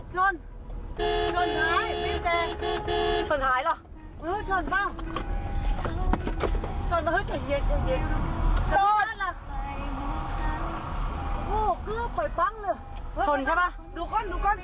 ชนใช่ไหมดูก้นดูก้นชนเปล่า